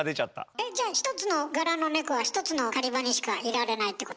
えっじゃあ１つの柄の猫は１つの狩り場にしかいられないってこと？